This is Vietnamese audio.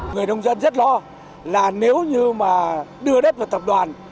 người nông dân rất lo là nếu như mà đưa đất vào tập đoàn